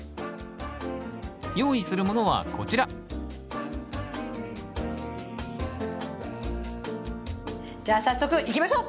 用意するものはこちらじゃあ早速いきましょう！